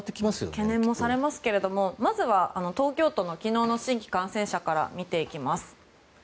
懸念もされますがまずは東京都の昨日の新規感染者から見ていきます。